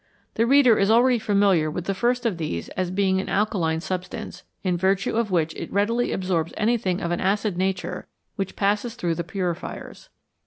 The reader is already familiar with the. first of these as being an alkaline substance, in virtue of which it readily absorbs anything of an acid nature which passes through the purifiers.